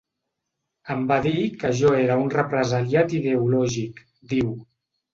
Em va dir que jo era un represaliat ideològic, diu.